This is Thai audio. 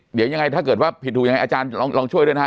เดี๋ยวยังไงถ้าเกิดว่าผิดถูกยังไงอาจารย์ลองช่วยด้วยนะฮะ